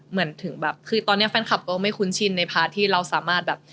เหมือนถึงแบบคือตอนนี้แฟนคลับก็ไม่คุ้นชินในพาร์ทที่เราสามารถแบบ